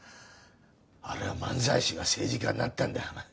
あれは漫才師が政治家になったんだよお前。